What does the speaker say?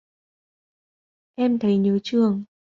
Em thấy nhớ trường